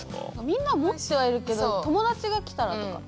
みんな持ってはいるけど友達が来たらとか。